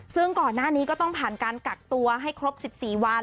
ซึ่งก่อนหน้านี้ก็ต้องผ่านการกักตัวให้ครบ๑๔วัน